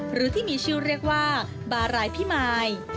หรือที่มีชื่อเรียกว่าบารายพิมาย